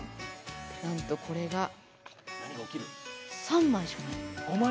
なんとこれが３枚しかない。